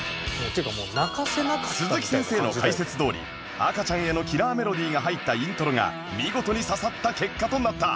鈴木先生の解説どおり赤ちゃんへのキラーメロディが入ったイントロが見事に刺さった結果となった